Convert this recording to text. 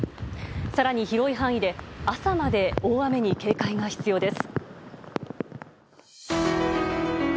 更に、広い範囲で朝まで大雨に警戒が必要です。